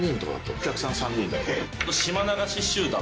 お客さん３人だけ。